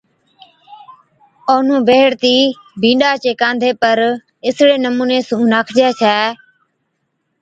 اونَھُون بيھيڙِتِي بِينڏا چي ڪانڌي پر اِسڙي نمُوني سُون ناکجي ڇَي